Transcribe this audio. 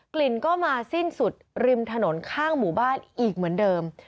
กลิ่นก็มาสิ้นสุดริมถนนข้างหมู่บ้านอีกเหมือนเดิม